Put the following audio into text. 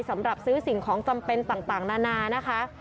สำหรับซื้อสิ่งของจำเป็นต่างนานานะคะ